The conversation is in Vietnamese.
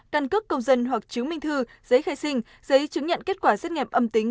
căn cước công dân hoặc chứng minh thư giấy khai sinh giấy chứng nhận kết quả xét nghiệm âm tính